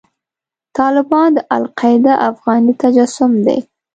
طالبان د القاعده افغاني تجسم دی.